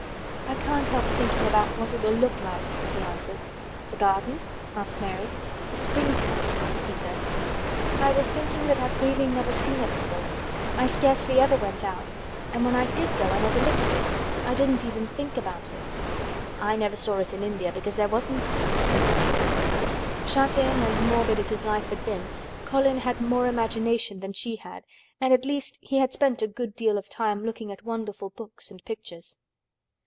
"I can't help thinking about what it will look like," he answered. "The garden?" asked Mary. "The springtime," he said. "I was thinking that I've really never seen it before. I scarcely ever went out and when I did go I never looked at it. I didn't even think about it." "I never saw it in India because there wasn't any," said Mary. Shut in and morbid as his life had been, Colin had more imagination than she had and at least he had spent a good deal of time looking at wonderful books and pictures.